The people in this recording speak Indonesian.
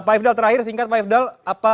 pak ifdal terakhir singkat pak ifdal